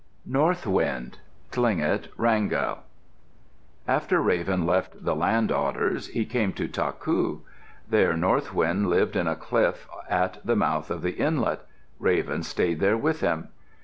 NORTH WIND Tlingit (Wrangell) After Raven left the Land Otters, he came to Taku. There North Wind lived in a cliff at the mouth of the inlet. Raven stayed there with him.